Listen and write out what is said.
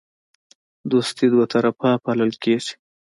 دوستي دوطرفه پالل کیږي